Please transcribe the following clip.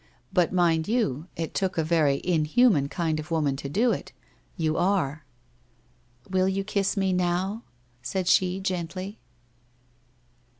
But mind you, it took a very in human kind of woman to do it. You are.' ' Will you kiss me now?' she said gently.